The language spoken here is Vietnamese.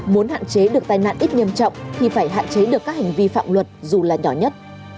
muốn hạn chế được tai nạn ít nghiêm trọng thì phải hạn chế được các hành vi phạm luật dù là nhỏ nhất